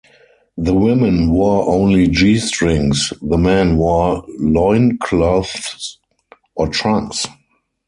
The women wore only G-strings; the men wore loincloths or trunks.